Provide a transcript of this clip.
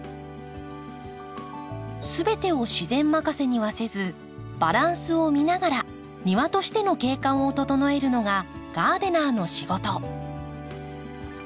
すべてを自然任せにはせずバランスを見ながら庭としての景観を整えるのがガーデナーの仕事。